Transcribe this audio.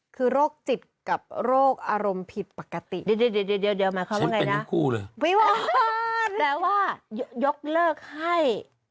คือโรคจิตกับโรคอารมณ์ผิดปกติ